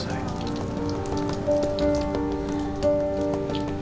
saya sudah selesai